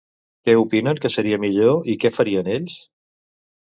Què opinen que seria millor i que farien ells?